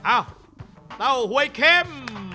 เอ้าเต้าหวยเข้ม